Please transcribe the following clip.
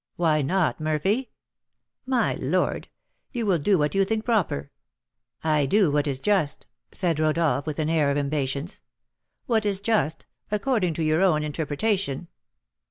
"Why not, Murphy?" "My lord, you will do what you think proper." "I do what is just," said Rodolph, with an air of impatience. "What is just, according to your own interpretation."